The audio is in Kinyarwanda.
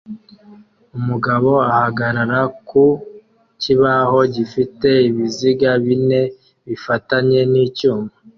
Umugabo ahagarara ku kibaho gifite ibiziga bine bifatanye nicyuma